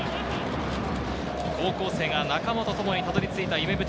高校生が仲間とともにたどり着いた夢舞台。